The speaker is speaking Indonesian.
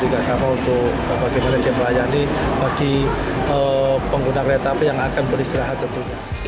juga sama untuk bagi mereka melayani bagi pengguna kereta api yang akan beristirahat tentunya